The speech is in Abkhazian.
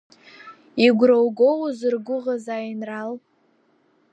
Игәра угоу узыргәыӷыз аинрал?